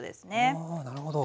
あなるほど。